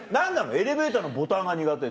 エレベーターのボタンが苦手って。